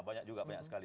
banyak juga banyak sekali